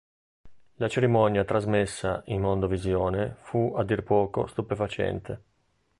La cerimonia trasmessa, in mondovisione, fu a dir poco stupefacente.